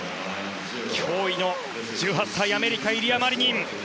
驚異の１８歳アメリカ、イリア・マリニン。